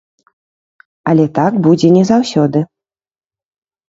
Але так будзе не заўсёды.